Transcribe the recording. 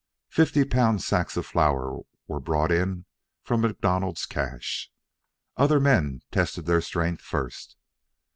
Fifty pound sacks of flour were brought in from MacDonald's cache. Other men tested their strength first.